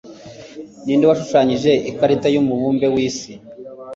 ninde washushanyije ikarita yumubumbe wisi